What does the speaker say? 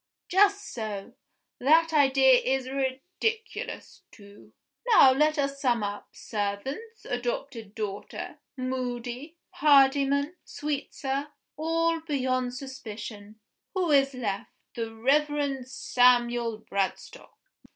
Just so! That idea is ridiculous, too. Now let us sum up. Servants, adopted daughter, Moody, Hardyman, Sweetsir all beyond suspicion. Who is left? The Reverend Samuel Bradstock."